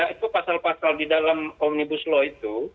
itu pasal pasal di dalam omnibus law itu